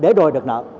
không đòi được nợ